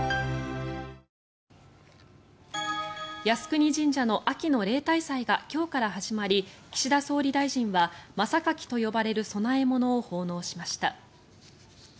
靖国神社の秋の例大祭が今日から始まり岸田総理大臣は真榊と呼ばれる供え物を奉納しました。